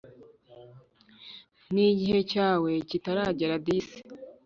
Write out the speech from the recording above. nigihe cyawe kitaragera disi.